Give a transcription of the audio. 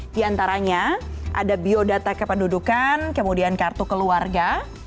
diantaranya ada biodata kepedudukan kemudian kartu keluarga